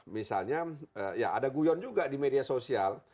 misalnya ya ada guyon juga di media sosial